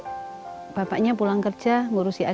ketika anaknya pulang kerja ibu menguruskan buku